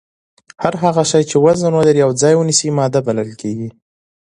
هر هغه شی چې وزن ولري او ځای ونیسي ماده بلل کیږي